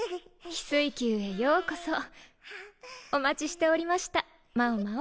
翡翠宮へようこそお待ちしておりました猫猫。